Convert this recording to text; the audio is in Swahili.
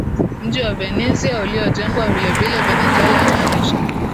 mji wa Venezia uliojengwa vilevile Venezuela yamaanisha